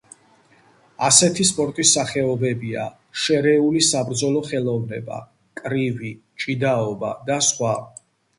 ასეთი სპორტის სახეობებია: შერეული საბრძოლო ხელოვნება, კრივი, ჭიდაობა და სხვა.